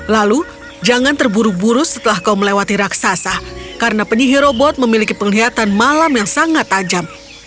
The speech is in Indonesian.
lalu jangan terburu buru setelah kau melewati raksasa karena penyihir robot memiliki penglihatan malam yang sangat tajam